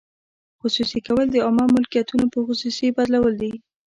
خصوصي کول د عامه ملکیتونو په خصوصي بدلول دي.